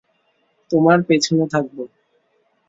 তোমার পেছনে থাকবো।